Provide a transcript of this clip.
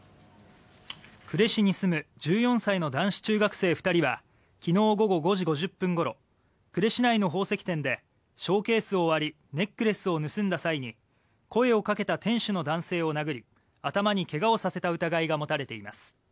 呉市に住む１４歳の男子中学生２人は昨日午後５時５０分ごろ呉市内の宝石店でショーケースを割りネックレスを盗んだ際に声をかけた店主の男性を殴り頭に怪我をさせた疑いが持たれています。